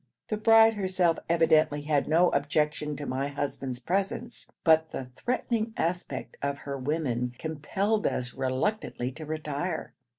The bride herself evidently had no objection to my husband's presence, but the threatening aspect of her women compelled us reluctantly to retire.